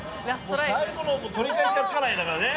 もう最後の取り返しがつかないんだからね。